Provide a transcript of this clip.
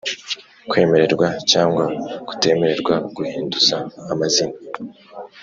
Kwemererwa cyangwa kutemererwa guhinduza amazina